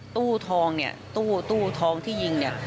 ตู้ทองเนี่ยตู้ทองที่ยิงเนี่ย